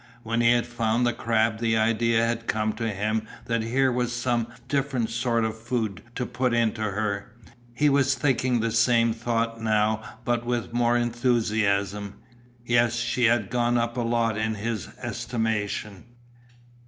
When he had found the crab the idea had come to him that here was some different sort of food to "put into her;" he was thinking that same thought now but with more enthusiasm. Yes, she had gone up a lot in his estimation.